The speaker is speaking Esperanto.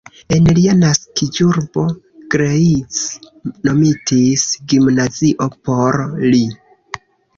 En lia naskiĝurbo Greiz nomitis gimnazio por li.